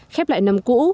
khép lại năm cũ